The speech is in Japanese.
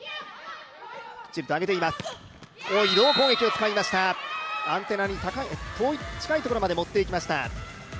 移動攻撃を使いました、アンテナに近いところまで持っていきました。